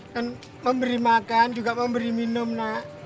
dan memberi makan juga memberi minum nak